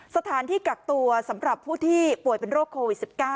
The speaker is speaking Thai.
สถานที่กักตัวสำหรับผู้ที่ป่วยเป็นโรคโควิด๑๙